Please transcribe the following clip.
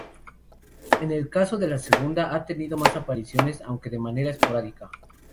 En el caso de la segunda ha tenido más apariciones, aunque de manera esporádica.